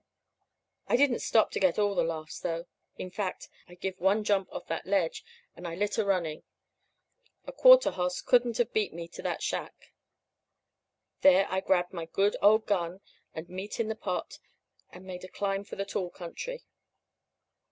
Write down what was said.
"I didn't stop to get all the laughs, though. In fact, I give one jump off that ledge, and I lit a running. A quarter hoss couldn't have beat me to that shack. There I grabbed my good old gun, old Meat in the pot, and made a climb for the tall country."